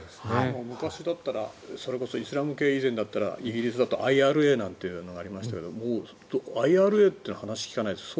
昔だったらそれこそイスラム系以前だったらイギリスだとＩＲＡなんていうのがありましたがＩＲＡって話を聞かないですね。